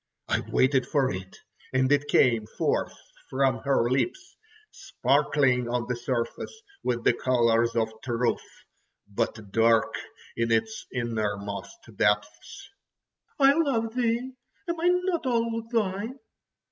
I waited for it—and it came forth from her lips, sparkling on the surface with the colours of truth, but dark in its innermost depths: "I love thee! Am not I all thine?"